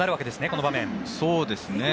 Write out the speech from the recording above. この場面。